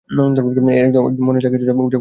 একদম মনে যা কিছু আছে উজাড় করে সব বলে ফেলুন!